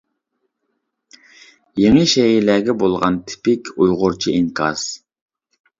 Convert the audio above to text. يېڭى شەيئىلەرگە بولغان تىپىك ئۇيغۇرچە ئىنكاس!